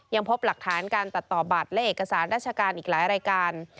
ยังพบหลักฐานการตัดต่อบัตรและเอกสารราชการอีกหลายรายการ